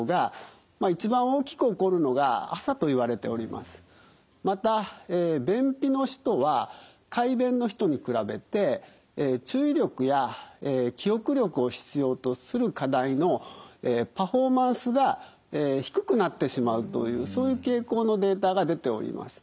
あのまたえ便秘の人は快便の人に比べて注意力や記憶力を必要とする課題のパフォーマンスが低くなってしまうというそういう傾向のデータが出ております。